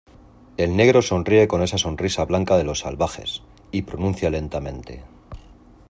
el negro sonríe con esa sonrisa blanca de los salvajes, y pronuncia lentamente